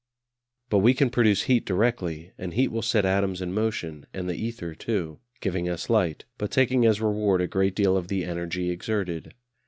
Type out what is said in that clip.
But we can produce heat directly, and heat will set atoms in motion, and the ether too, giving us light, but taking as reward a great deal of the energy exerted.